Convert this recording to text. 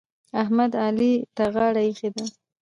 احمد؛ علي ته غاړه ايښې ده.